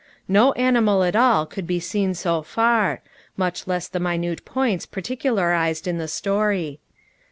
No animal at all could be seen so far; much less the minute points particularized in the story.